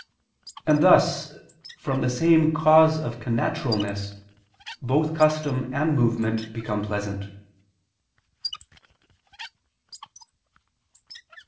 And thus from the same cause of connaturalness, both custom and movement become pleasant.